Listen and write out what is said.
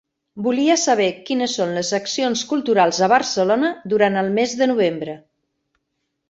Volia saber quines son les accions culturals a Barcelona durant el mes de novembre.